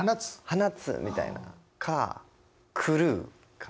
「放つ」みたいなか「狂う」か。